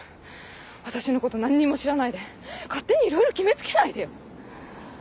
私のこと何にも知らないで勝手にいろいろ決め付けないでよ。